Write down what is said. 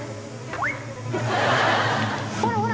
ほらほら！